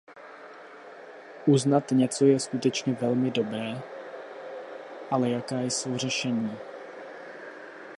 Uznat něco je skutečně velmi dobré, ale jaká jsou řešení?